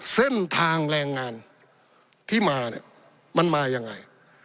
เส้นทางแรงงานที่มาเนี่ยมันมายังไง